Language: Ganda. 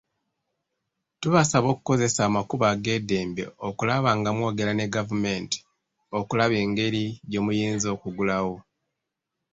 Tubasaba okukozesa amakubo ag'eddembe okulaba nga mwogera ne gavumenti okulaba egeri gyemuyinza okuggulwawo.